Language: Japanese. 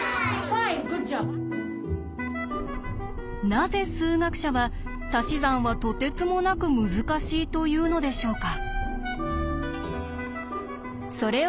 なぜ数学者は「たし算はとてつもなく難しい」と言うのでしょうか？